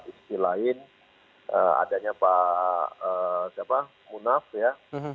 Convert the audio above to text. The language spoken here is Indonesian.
di sisi lain adanya pak munaf ya